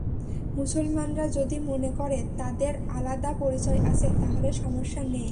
মুসলমানরা যদি মনে করে, তাদের আলাদা পরিচয় আছে, তাহলে সমস্যা নেই।